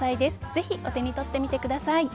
ぜひお手に取ってみてください。